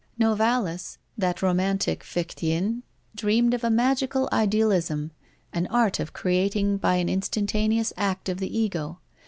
Novalis, that Romantic Fichtian, dreamed of a magical idealism, an art of creating by an instantaneous act of the Ego.